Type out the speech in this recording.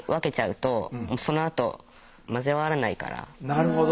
なるほど。